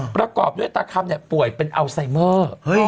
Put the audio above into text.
ประกอบด้วยตาคำป่วยเป็นอัลไซเมอร์